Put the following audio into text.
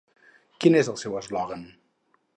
Quin és el seu eslògan?